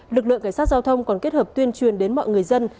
lực lượng cảnh sát giao thông còn kết hợp tuyên truyền đến mọi người dân